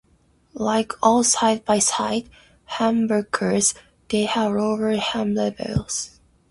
Like all side-by-side humbuckers, they have lower hum levels.